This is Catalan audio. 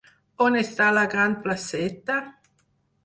On està la gran placeta?